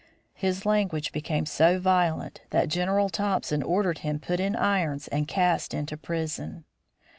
His language became so violent that General Thompson ordered him put in irons and cast into prison.